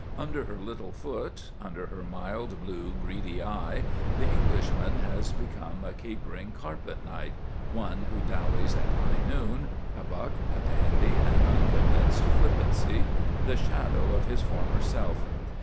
Under her little foot, under her mild, blue, greedy eye, the Englishman has become a capering carpet knight, one who dallies at high noon, a buck, a dandy, an unconvinced flippancy, the shadow of his former self.